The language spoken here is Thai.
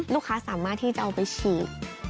ลูกค้าสามารถที่จะเอาไปฉีก